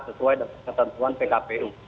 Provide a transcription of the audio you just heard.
sesuai dengan ketentuan pkpu